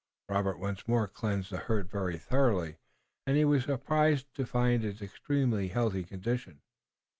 Robert once more cleansed the hurt very thoroughly, and he was surprised to find its extremely healthy condition.